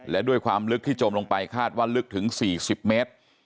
และด้วยความลึกที่จมลงไปคาดว่าลึกถึง๔๐เมตร